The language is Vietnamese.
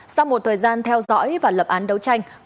sau một thời gian theo dõi và lập án đấu tranh